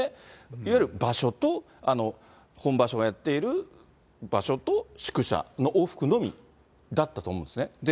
いわゆる場所と、本場所がやっている場所と宿舎の往復のみだったと思うんですね。